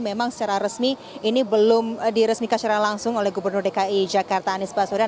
memang secara resmi ini belum diresmikan secara langsung oleh gubernur dki jakarta anies baswedan